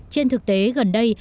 trên thực tế gần đây